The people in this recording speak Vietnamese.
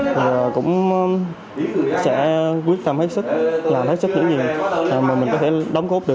và cũng sẽ quyết tâm hết sức làm hết sức những gì mà mình có thể đóng góp được